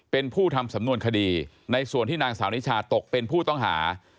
เป็นผู้ทำสำนวนคดีในส่วนที่นางสาวนิชาตกเป็นผู้ต้องหา